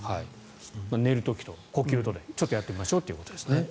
寝る時と呼吸とでちょっとやってみましょうということですね。